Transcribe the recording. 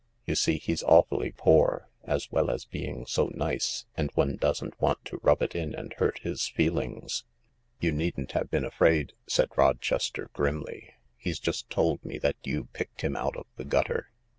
You see, he's awfully poor, as well as being so nice, and one doesn't want to rub it in and hurt his feelings." "You needn't have been afraid," said Rochester grimly. " He 's just told me that you picked him out of the gutter.